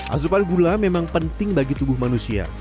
asupan gula memang penting bagi tubuh manusia